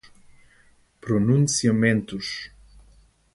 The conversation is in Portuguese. pronunciamentos